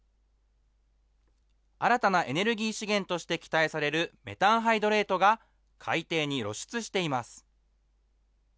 新たなエネルギー資源として期待されるメタンハイドレートが、海底に露出しています。